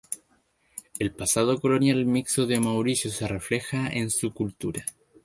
El pasado colonial mixto de Mauricio se refleja en su cultura.